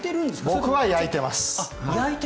僕は焼いてます。